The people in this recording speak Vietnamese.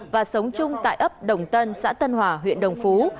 và sống chung tại ấp đồng tân xã tân hòa huyện đồng phú